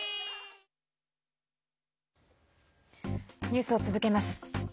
ニュースを続けます。